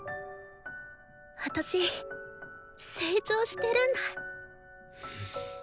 私成長してるんだ。